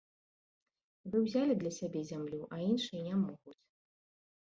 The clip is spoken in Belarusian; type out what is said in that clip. Вы ўзялі для сябе зямлю, а іншыя не могуць.